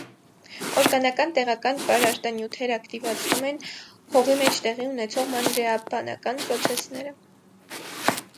Օրգանական տեղական պարարտանյութեր ակտիվացնում են հողի մեջ տեղի ունեցող մանրէաբանական պրոցեսները։